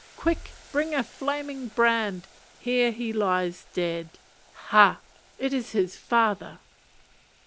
Quick, bring a flaming brand here he lies dead! Ha! It is his father!